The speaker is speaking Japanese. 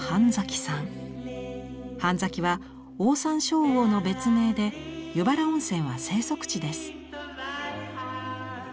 ハンザキはオオサンショウウオの別名で湯原温泉は生息地です。